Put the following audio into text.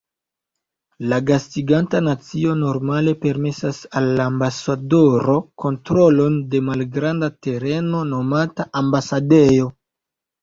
La gastiganta nacio normale permesas al la ambasadoro kontrolon de malgranda tereno nomata ambasadejo.